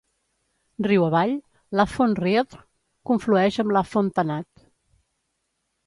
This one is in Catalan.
Riu avall, l'Afon Rhaeadr conflueix amb l'Afon Tanat.